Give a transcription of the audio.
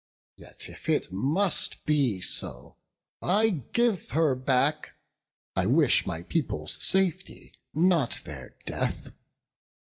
Yet, if it must he so, I give her back; I wish my people's safety, not their death.